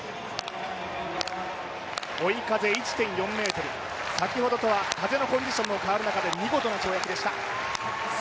追い風１．４ｍ、先ほどとは風のコンディションが変わる中で見事な跳躍でした。